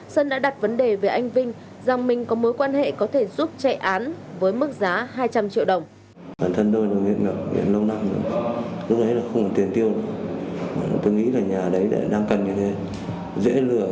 sơn đã đặt vấn đề về anh vinh rằng mình có mối quan hệ có thể giúp chạy án với mức giá hai trăm linh triệu đồng